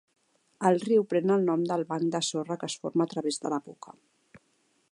El riu pren el nom del banc de sorra que es forma a través de la boca.